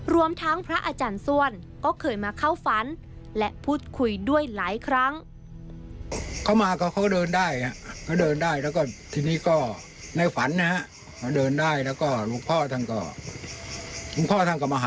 รวมทั้งพระอาจารย์ส้วนก็เคยมาเข้าฝันและพูดคุยด้วยหลายครั้ง